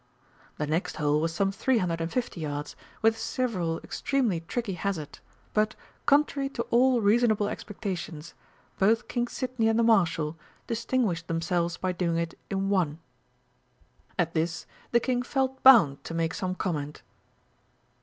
The next hole was some three hundred and fifty yards, with several extremely tricky hazards, but, contrary to all reasonable expectations, both King Sidney and the Marshal distinguished themselves by doing it in one. At this the King felt bound to make some comment.